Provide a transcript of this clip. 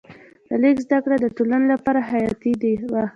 د لیک زده کړه د ټولنې لپاره حیاتي وه.